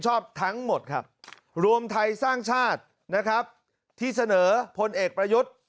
ทั้งหมดครับรวมไทยสร้างชาตินะครับที่เสนอพลเอกประยุทธ์